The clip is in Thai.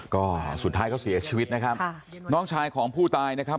ก็สุดท้ายเขาเสียชีวิตนะครับค่ะน้องชายของผู้ตายนะครับ